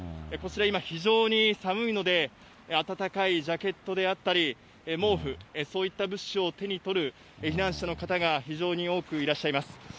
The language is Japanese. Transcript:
こちら、今、非常に寒いので、暖かいジャケットであったり、毛布、そういった物資を手に取る避難者の方が非常に多くいらっしゃいます。